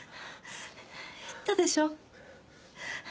言ったでしょ。